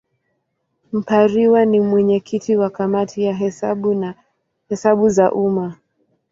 Mpariwa ni mwenyekiti wa Kamati ya Hesabu za Umma.